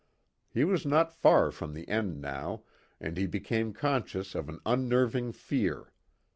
He was not far from the end now, and he became conscious of an unnerving fear.